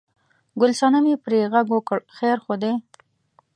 ګل صنمې پرې غږ وکړ: خیر خو دی؟